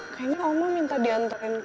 kayaknya oma minta dianterin ke rumahnya